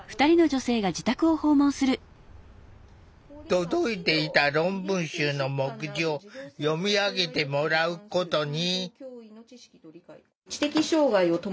届いていた論文集の目次を読み上げてもらうことに。